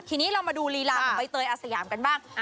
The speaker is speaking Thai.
ทีนี้เรามาดูลีลาของใบเตยอาสยามกันบ้าง